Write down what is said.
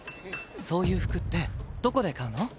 そういう服ってどこで買うの？